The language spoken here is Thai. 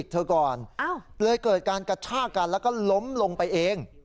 เธอก่อนเลยเกิดการกระชากันแล้วก็ล้มลงไปเอง